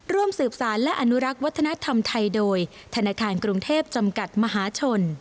ร่วมสืบสารและอนุรักษ์วัฒนธรรมไทยโดยธนาคารกรุงเทพจำกัดมหาชน